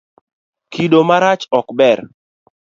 Kido marach ok ber.